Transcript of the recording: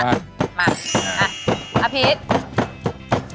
มาอ่ะอภิษฐ์